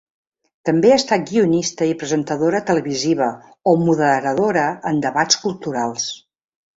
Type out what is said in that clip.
També ha estat guionista i presentadora televisiva o moderadora en debats culturals.